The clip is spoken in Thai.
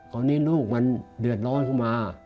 ตอนนี้ลูกมันเดือดร้อนเข้ามา